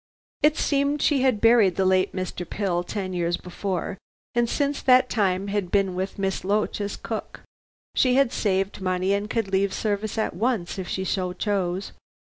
It seemed she had buried the late Mr. Pill ten years before, and since that time had been with Miss Loach as cook. She had saved money and could leave service at once, if she so chose.